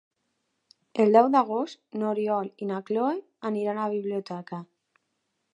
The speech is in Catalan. El deu d'agost n'Oriol i na Cloè aniran a la biblioteca.